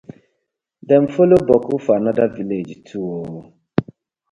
Dem follow boku for another villag too oo.